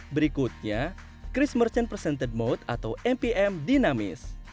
berikutnya christ merchant presented mode atau mpm dinamis